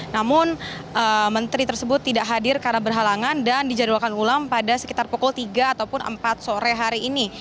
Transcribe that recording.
namun menteri tersebut tidak hadir karena berhalangan dan dijadwalkan ulang pada sekitar pukul tiga ataupun empat sore hari ini